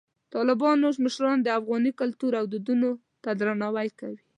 د طالبانو مشران د افغاني کلتور او دودونو ته درناوی کوي.